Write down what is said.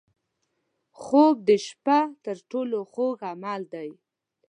خوب د شپه تر ټولو خوږ عمل دی